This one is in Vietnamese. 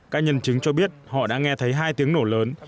các nhân chứng cho biết họ đã nghe thấy hai tiếng nổ lớn